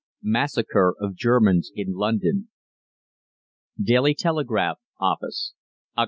MASSACRE OF GERMANS IN LONDON. "'DAILY TELEGRAPH' OFFICE, "_Oct.